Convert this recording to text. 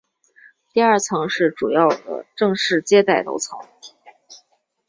第二层是主要的正式接待楼层。